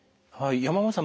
山本さん